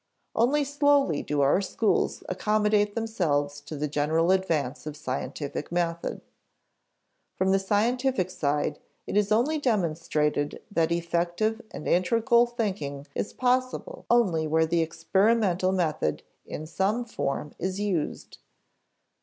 Only slowly do our schools accommodate themselves to the general advance of scientific method. From the scientific side, it is demonstrated that effective and integral thinking is possible only where the experimental method in some form is used.